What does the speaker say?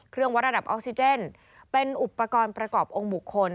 วัดระดับออกซิเจนเป็นอุปกรณ์ประกอบองค์บุคคล